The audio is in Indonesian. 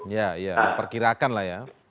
ya ya perkirakan lah ya